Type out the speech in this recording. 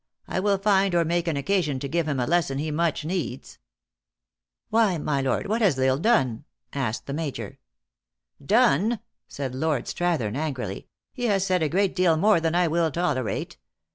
I will find or make an occasion to give him a lesson he much needs." " Why, my lord, what has L Isle done ?" asked the Major. " Done !" said Lord Strathern angrily. " He has said a great deal more than I will tolerate."